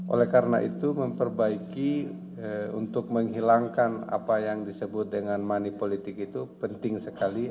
oleh karena itu memperbaiki untuk menghilangkan apa yang disebut dengan money politik itu penting sekali